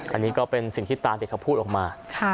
อันนี้ก็เป็นสิ่งที่ตาเด็กเขาพูดออกมา